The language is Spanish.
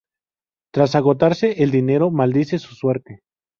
Tras agotarse el dinero, maldice su suerte.